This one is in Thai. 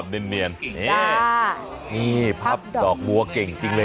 ครับดอกดัวนี่เก่งจริงเลย